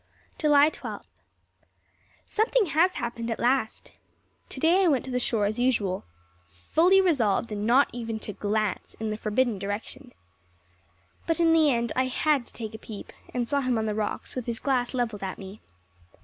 July Twelfth. Something has happened at last. Today I went to the shore as usual, fully resolved not even to glance in the forbidden direction. But in the end I had to take a peep, and saw him on the rocks with his glass levelled at me.